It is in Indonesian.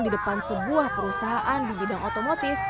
di depan sebuah perusahaan di bidang otomotif